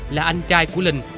là anh trai của linh